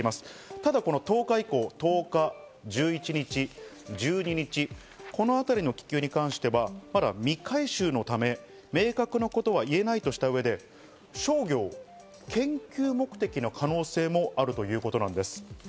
ただ１０日以降、１０日、１１日、１２日、この辺りの気球に関しては、未回収のため、明確なことは言えないとした上で、商業・研究目的の可能性もあるということなんです。